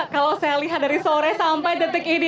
kalau saya lihat dari sore sampai detik ini